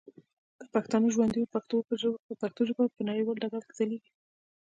که پښتانه ژوندي وه ، پښتو ژبه به په نړیوال ډګر کي ځلیږي.